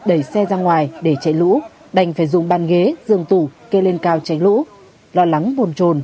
đẩy xe ra ngoài để chạy lũ đành phải dùng bàn ghế giường tủ kê lên cao tránh lũ lo lắng buồn trồn